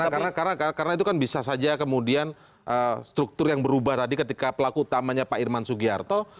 karena itu kan bisa saja kemudian struktur yang berubah tadi ketika pelaku utamanya pak irman sugiharto